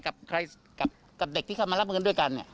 ใครจะรับเงินด้วยกัน